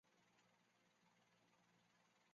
位于东京国际机场客运大楼的地下。